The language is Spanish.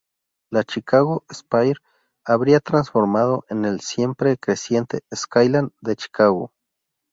La Chicago Spire habría transformado el siempre creciente "skyline" de Chicago.